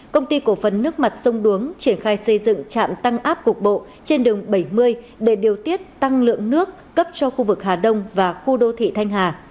công ty cổ phần nước mặt sông đuống triển khai xây dựng trạm tăng áp cục bộ trên đường bảy mươi để điều tiết tăng lượng nước cấp cho khu vực hà đông và khu đô thị thanh hà